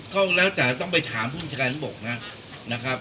ก็แล้วแต่ต้องไปถามผู้บัญชาการบกนะครับ